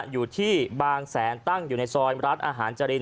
อยู่ที่บางแสนตั้งอยู่ในซอยร้านอาหารจริน